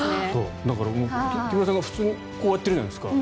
だから、木村さんが普通にこうやってるじゃないですか。